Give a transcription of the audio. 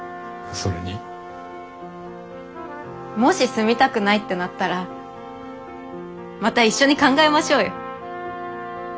もし住みたくないってなったらまた一緒に考えましょうよ。